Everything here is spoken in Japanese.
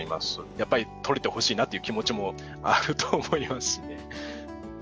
やっぱり取れてほしいなっていう気持ちもあると思いますね。